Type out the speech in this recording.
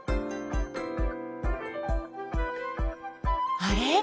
あれ？